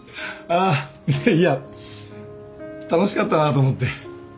あいやいや楽しかったなと思って。